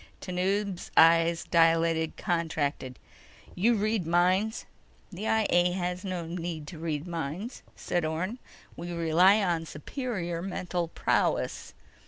Tanub's eyes dilated, contracted. "You read minds?" "The I A has no need to read minds," said Orne. "We rely on superior mental prowess."